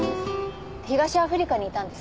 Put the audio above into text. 東アフリカにいたんです。